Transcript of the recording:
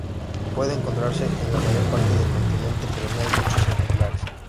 Puede encontrarse en la mayor parte del continente, pero no hay muchos ejemplares.